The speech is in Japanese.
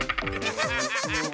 ハハハハハ！